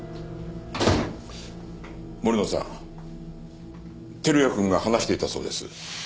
森野さん輝也くんが話していたそうです。